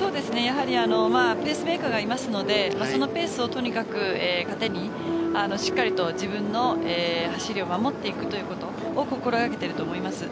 やはりペースメーカーがいますのでそのペースをとにかく糧にしっかりと自分の走りを守っていくということを心がけてると思います。